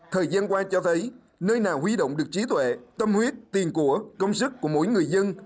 thời gian qua cho thấy nơi nào huy động được trí tuệ tâm huyết tiền của công sức của mỗi người dân